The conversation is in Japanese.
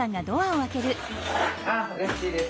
あっうれしいです。